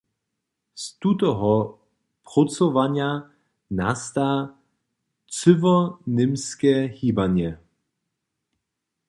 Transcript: Z tutoho prócowanja nasta cyłoněmske hibanje.